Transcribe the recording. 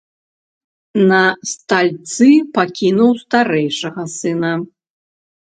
На стальцы пакінуў старэйшага сына.